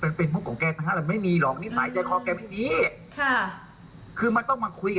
อืมแต่เอาจริงเอาจังอะไรก็ไม่รู้แล้วเดี๋ยวเอาเรื่องคุณ